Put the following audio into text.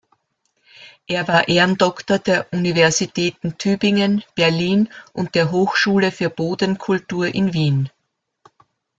Er war Ehrendoktor der Universitäten Tübingen, Berlin und der Hochschule für Bodenkultur in Wien.